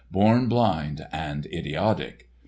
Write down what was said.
Born blind and idiotic!